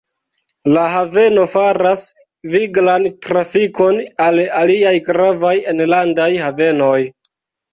La haveno faras viglan trafikon al aliaj gravaj enlandaj havenoj.